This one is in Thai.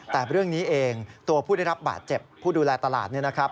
แต่เรื่องนี้เองตัวผู้ได้รับบาดเจ็บผู้ดูแลตลาดเนี่ยนะครับ